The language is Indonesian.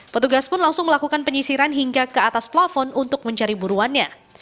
petugas pun langsung melakukan penyisiran hingga ke atas plafon untuk mencari buruannya